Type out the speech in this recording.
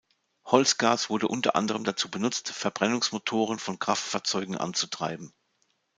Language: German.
Holzgas wurde unter anderem dazu benutzt, Verbrennungsmotoren von Kraftfahrzeugen anzutreiben.